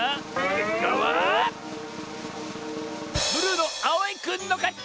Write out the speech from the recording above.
けっかはブルーのあおいくんのかち！